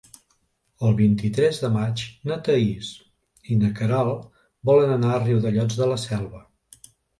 El vint-i-tres de maig na Thaís i na Queralt volen anar a Riudellots de la Selva.